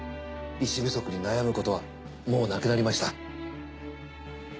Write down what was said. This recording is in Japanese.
医師不足に悩むことはもうなくなりました。